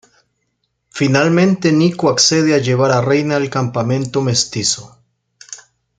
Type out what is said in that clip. Finalmente Nico accede a llevar a Reyna al Campamento Mestizo.